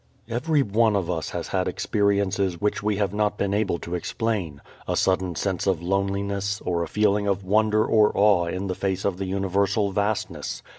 Everyone of us has had experiences which we have not been able to explain: a sudden sense of loneliness, or a feeling of wonder or awe in the face of the universal vastness.